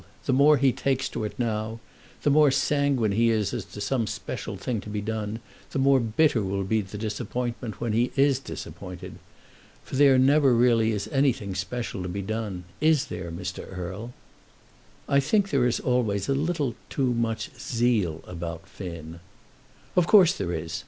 The more he takes to it now, the more sanguine he is as to some special thing to be done, the more bitter will be the disappointment when he is disappointed. For there never really is anything special to be done; is there, Mr. Erle?" "I think there is always a little too much zeal about Finn." "Of course there is.